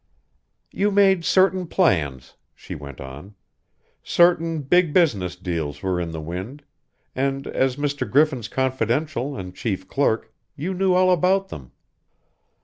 "You made certain plans," she went on. "Certain big business deals were in the wind, and, as Mr. Griffin's confidential and chief clerk, you knew all about them.